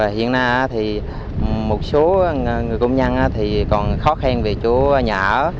hiện nay một số người công nhân còn khó khen về chỗ nhà ở